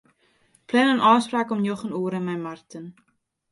Plan in ôfspraak om njoggen oere mei Marten.